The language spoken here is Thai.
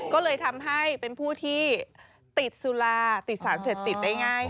ก็เลยทำให้เป็นผู้ที่ติดสุราติดสารเสพติดได้ง่าย